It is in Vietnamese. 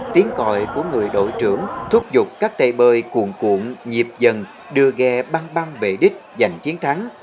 tiếng còi của người đội trưởng thúc giục các tê bơi cuồn cuộn nhịp dần đưa ghe băng băng về đích giành chiến thắng